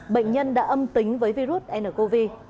bệnh nhân đã âm tính với virus ncov